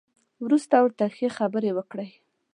وروسته ورته ښې خبرې وکړئ.